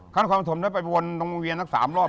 เข้าน้องคอมธมได้ไปวนตรงบรมเวียนละ๓รอบ